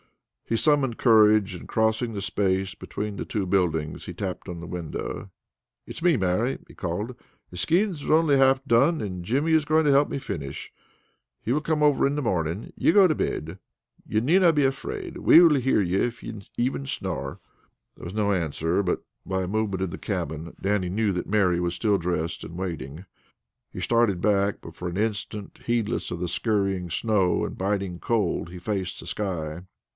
He summoned courage, and crossing the space between the two buildings, he tapped on the window. "It's me, Mary," he called. "The skins are only half done, and Jimmy is going to help me finish. He will come over in the morning. Ye go to bed. Ye needna be afraid. We will hear ye if ye even snore." There was no answer, but by a movement in the cabin Dannie knew that Mary was still dressed and waiting. He started back, but for an instant, heedless of the scurrying snow and biting cold, he faced the sky.